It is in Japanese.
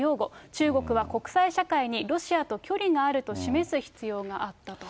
中国は国際社会にロシアと距離があると示す必要があったと。